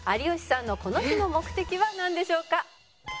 「有吉さんのこの日の目的はなんでしょうか？」